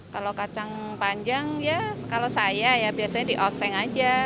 kalau kacang panjang ya kalau saya ya biasanya dioseng aja